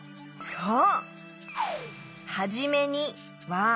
そう！